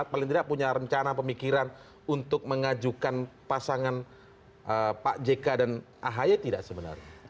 paling tidak punya rencana pemikiran untuk mengajukan pasangan pak jk dan ahy tidak sebenarnya